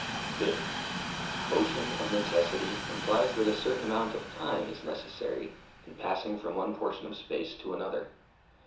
Fifth. Motion, of necessity, implies that a certain amount of time is necessary, in passing from one portion of space to another.